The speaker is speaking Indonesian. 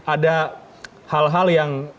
ada hal hal yang